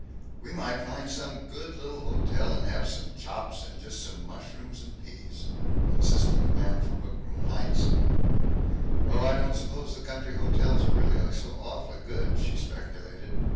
"We might find some good little hotel and have some chops and just some mushrooms and peas," insisted the man from Brooklyn Heights. "Oh, I don't suppose the country hotels are really so awfully good," she speculated.